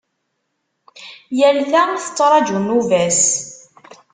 Yal ta tettraǧu nnuba-s.